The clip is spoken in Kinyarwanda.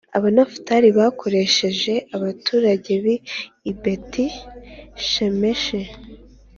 Abanafutali bakoresheje abaturage b’i Beti-Shemeshi